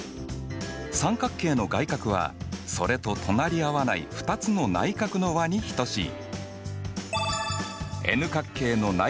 三角形の外角はそれと隣り合わない２つの内角の和に等しい。